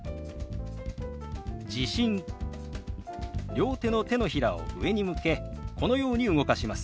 両手の手のひらを上に向けこのように動かします。